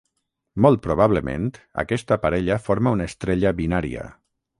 Molt probablement aquesta parella forma una estrella binària.